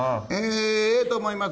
ええと思います。